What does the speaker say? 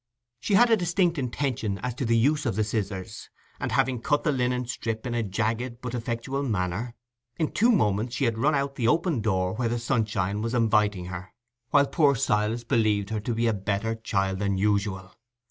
She had a distinct intention as to the use of the scissors; and having cut the linen strip in a jagged but effectual manner, in two moments she had run out at the open door where the sunshine was inviting her, while poor Silas believed her to be a better child than usual.